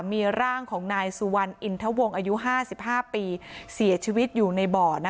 มีร่างของนายซูวัลอินทะวงอายุห้าสิบห้าปีเสียชีวิตอยู่ในบ่อนะคะ